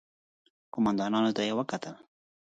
قوماندانانو ته يې وکتل.